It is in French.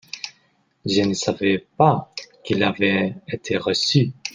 Je ne savais pas qu'il avait été reçu.